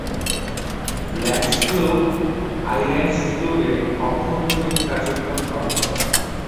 Landsflug আইল্যান্ডস্ফ্লুগের অভ্যন্তরীণ কার্যক্রম গ্রহণ করে।